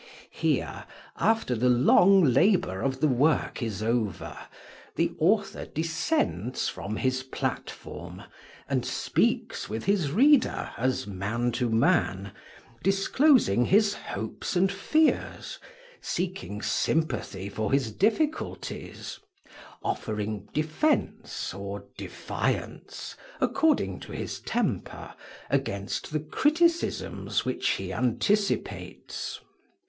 Here, after the long labor of the work is over, the author descends from his platform, and speaks with his reader as man to man, disclosing his hopes and fears, seeking sympathy for his difficulties, offering defence or defiance, according to his temper, against the criticisms which he anticipates.